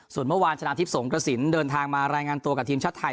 ส่วนเมื่อวานชนะทิพย์สงกระสินเดินทางมารายงานตัวกับทีมชาติไทย